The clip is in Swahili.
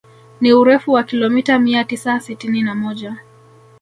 Ni urefu wa kilomita mia tisa sitini na moja